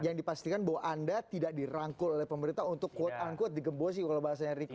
yang dipastikan bahwa anda tidak dirangkul oleh pemerintah untuk quote unquote digembosi kalau bahasanya riko